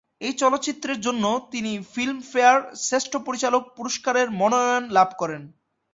এই চলচ্চিত্রের জন্য তিনি ফিল্মফেয়ার শ্রেষ্ঠ পরিচালক পুরস্কারের মনোনয়ন লাভ করেন।